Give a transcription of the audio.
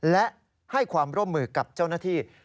และให้ความร่วมมือกับเจ้าหน้าที่